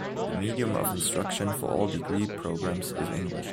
The medium of instruction for all degree programs is English.